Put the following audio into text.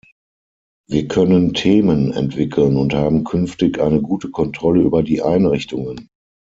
Wir können Themen entwickeln und haben künftig eine gute Kontrolle über die Einrichtungen.